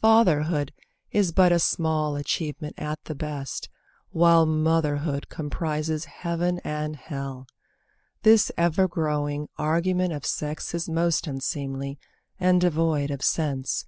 Fatherhood Is but a small achievement at the best, While motherhood comprises heaven and hell.) This ever growing argument of sex Is most unseemly, and devoid of sense.